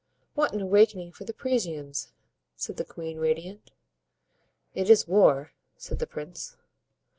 "What an awakening for the Parisians!" said the queen, radiant. "It is war," said the prince.